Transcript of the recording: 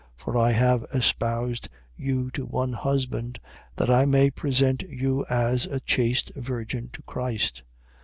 For I have espoused you to one husband, that I may present you as a chaste virgin to Christ.